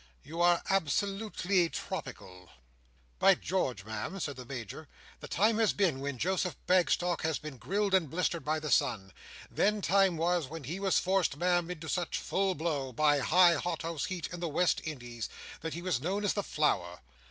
You are absolutely tropical." "By George, Ma'am," said the Major, "the time has been when Joseph Bagstock has been grilled and blistered by the Sun; then time was, when he was forced, Ma'am, into such full blow, by high hothouse heat in the West Indies, that he was known as the Flower.